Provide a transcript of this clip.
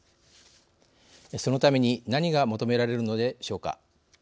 そのために何が求められるのでしょうか。